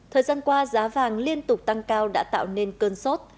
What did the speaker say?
thời gian qua giá vàng liên tục tăng cao đã tạo nên cơn sốt